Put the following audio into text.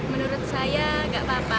menurut saya nggak apa apa